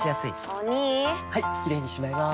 お兄はいキレイにしまいます！